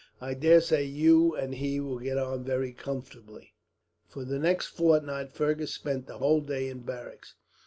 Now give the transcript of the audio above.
I daresay you and he will get on very comfortably." For the next fortnight, Fergus spent the whole day in barracks.